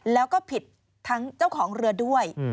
แล้วก็ผิดทั้งเจ้าของเรือด้วย